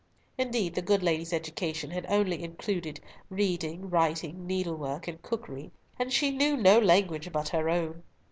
Indeed, the good lady's education had only included reading, writing, needlework and cookery, and she knew no language but her own.